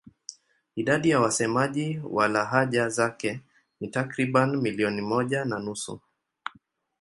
Idadi ya wasemaji wa lahaja zake ni takriban milioni moja na nusu.